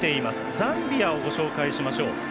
ザンビアをご紹介しましょう。